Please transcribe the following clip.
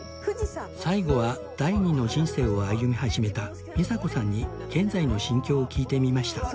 最後は第二の人生を歩み始めた美佐子さんに現在の心境を聞いてみました